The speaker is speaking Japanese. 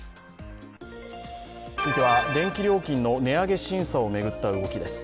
続いては電気料金の値上げ審査を巡った動きです。